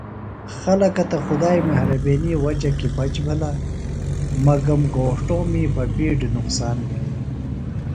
خلکہ تہ خدائی مھرَبینی وجہ کیۡ بچ بِھلہ مگم گھوݜٹومی بہ بِیڈیۡ نقصان بِھلیۡ۔